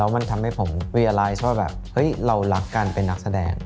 มันทำให้ผมรู้สึกว่าเรารักการเป็นนักแสดง